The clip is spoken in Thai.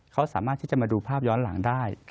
เขาสามารถที่จะมาดูภาพย้อนหลังได้